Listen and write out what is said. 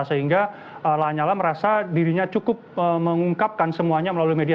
sehingga lanyala merasa dirinya cukup mengungkapkan semuanya melalui media